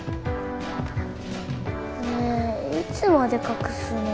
ねえいつまで隠すの？